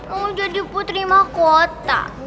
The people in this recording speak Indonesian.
aku jadi putri mahkota